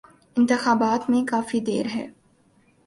انتخابات میں کافی دیر ہے۔